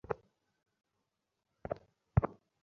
ঈশ্বরে বিশ্বাস না করলে তুমি একটা আস্ত গাধা।